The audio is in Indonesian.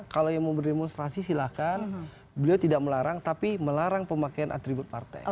kalau yang mau berdemonstrasi silahkan beliau tidak melarang tapi melarang pemakaian atribut partai